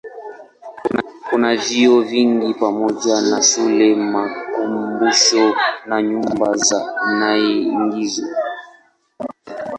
Kuna vyuo vingi pamoja na shule, makumbusho na nyumba za maigizo.